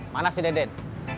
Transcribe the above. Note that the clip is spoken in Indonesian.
mana si deden